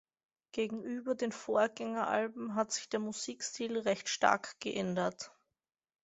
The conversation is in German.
Gegenüber den Vorgängeralben hat sich der Musikstil recht stark geändert.